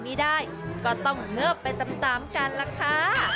ไม่ได้ก็ต้องเงิบไปตามกันล่ะค่ะ